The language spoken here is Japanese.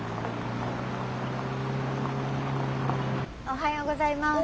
おはようございます。